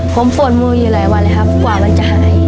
ผมปวดมืออยู่หลายวันเลยครับกว่ามันจะหาย